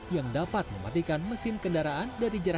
yang dapat mematikan sepeda motor